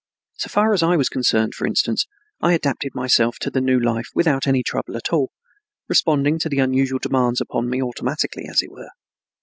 So far as I was concerned, for instance, I adapted myself to the new life without any trouble at all, responding to the unusual demands upon me automatically, as it were.